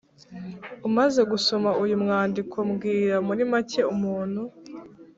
Umaze gusoma uyu mwandiko bwira muri make umuntu